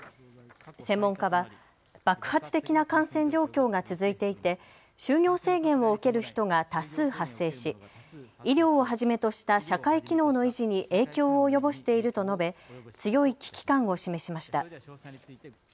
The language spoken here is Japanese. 専門家は爆発的な感染状況が続いていて就業制限を受ける人が多数発生し医療をはじめとした社会機能の維持に影響を及ぼしていると述べ強い危機感を示しました。